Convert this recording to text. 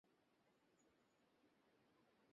কিন্তু না, সবাইকে হতবাক করে তিনি আমরের বুক থেকে নেমে আসেন।